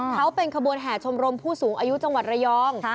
เขาเป็นขบวนแห่ชมรมผู้สูงอายุจังหวัดระยอง